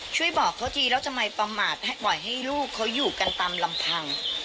ช่วยบอกเขาทีแล้วทำไมประมาทปล่อยให้ลูกเขาอยู่กันตามลำพัง